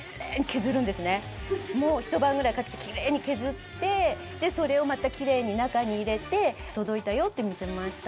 もうひと晩ぐらいかけてきれいに削ってそれをまたきれいに中に入れて届いたよって見せました。